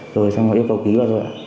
rồi xong yêu cầu kí vào rồi